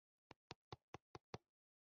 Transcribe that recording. څوک چې خپلو فکرونو ته بدلون ور نه کړي.